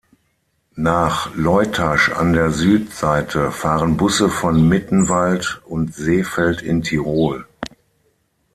Nach Leutasch an der Südseite fahren Busse von Mittenwald und Seefeld in Tirol.